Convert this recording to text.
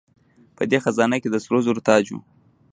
په دې خزانه کې د سرو زرو تاج و